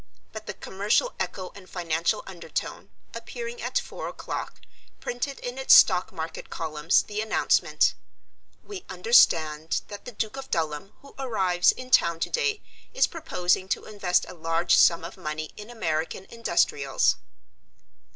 But the Commercial Echo and Financial Undertone, appearing at four o'clock, printed in its stock market columns the announcement: "We understand that the Duke of Dulham, who arrives in town today, is proposing to invest a large sum of money in American Industrials."